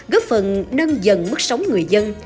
góp phần nâng dần mức sống người dân